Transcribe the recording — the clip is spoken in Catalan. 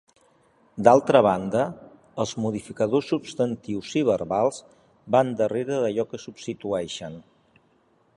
D'altra banda, els modificadors substantius i verbals van darrere d'allò que substitueixen.